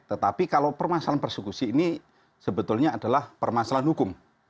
tetapi kalau permasalahan persekusi ini sebetulnya adalah permasalahan hukum